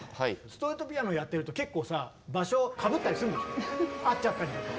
ストリートピアノやってると結構さ場所かぶったりするんでしょ会っちゃったりとか。